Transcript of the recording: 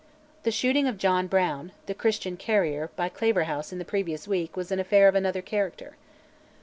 The shooting of John Brown, "the Christian Carrier," by Claverhouse in the previous week was an affair of another character.